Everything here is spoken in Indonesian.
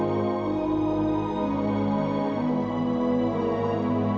aku mau pulang aku mau pulang